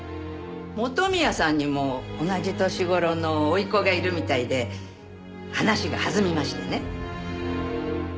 元宮さんにも同じ年頃の甥っ子がいるみたいで話が弾みましてね。